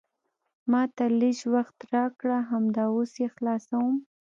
ما ته لیژ وخت راکړه، همدا اوس یې خلاصوم.